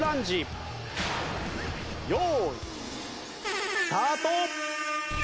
用意スタート！